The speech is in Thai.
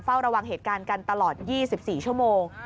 เฝ้าระวังเหตุการณ์กันตลอด๒๔ชั่วโมง